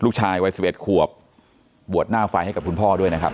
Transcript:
ลูกชายวัย๑๑ขวบบวชหน้าไฟให้กับคุณพ่อด้วยนะครับ